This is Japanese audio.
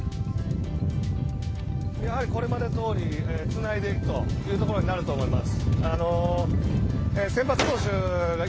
やはりこれまでどおりつないでいくというところになると思います。